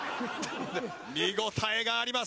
見応えがあります。